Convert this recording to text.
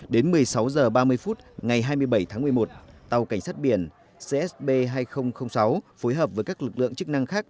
đến một mươi sáu h ba mươi phút ngày hai mươi bảy tháng một mươi một tàu cảnh sát biển csb hai nghìn sáu phối hợp với các lực lượng chức năng khác